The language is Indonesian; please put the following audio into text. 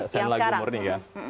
sen lagi murni kan